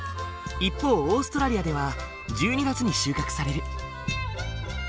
一方オーストラリアでは１２月に収穫される。